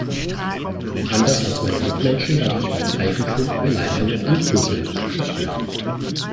Anders als meine Mitmenschen darf ich mein Eigentum beleidigen und anpöbeln, wie ich will.